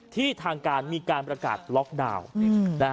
ทางการมีการประกาศล็อกดาวน์